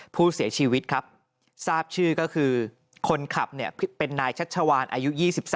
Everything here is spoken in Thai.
ผู้เสียชีวิตครับทราบชื่อก็คือคนขับเป็นนายชัชวานอายุ๒๓